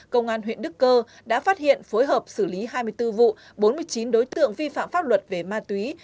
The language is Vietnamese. công an huyện đức cơ đã phát hiện phối hợp xử lý hai mươi bốn vụ bốn mươi chín đối tượng vi phạm pháp luật về ma túy